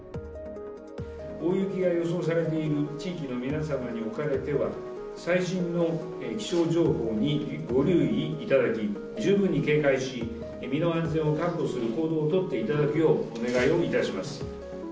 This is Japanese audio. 大雪が予想されている地域の皆様におかれては、最新の気象情報にご留意いただき、十分に警戒し、身の安全を確保する行動をとっていただくよう、お願いをいたします。